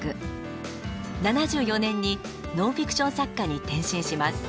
７４年にノンフィクション作家に転身します。